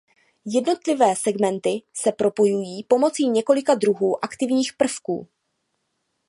Jednotlivé segmenty se propojují pomocí několika druhů aktivních prvků.